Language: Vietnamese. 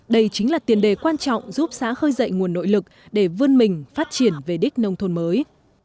đây chính là tiền đề quan trọng giúp xã khơi dậy nguồn nội lực để vươn mình phát triển về đích nông thôn mới